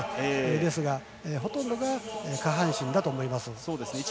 ですが、ほとんどが下半身だと思います。